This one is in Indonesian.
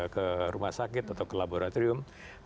ke rumah sakit atau ke laboratorium